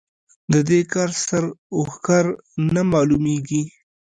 د دې کار سر و ښکر نه مالومېږي.